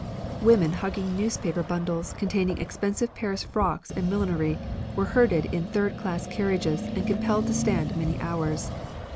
Women hugging newspaper bundles containing expensive Paris frocks and millinery were herded in third class carriages and compelled to stand many hours.